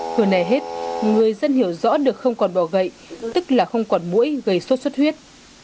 hồi này hết người dân hiểu rõ được không còn bỏ gậy tức là không còn mũi gây sốt xuất huyết